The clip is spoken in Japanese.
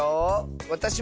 「わたしは」。